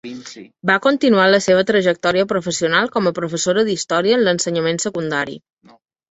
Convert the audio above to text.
Va continuar la seva trajectòria professional com a professora d'Història en l'ensenyament secundari.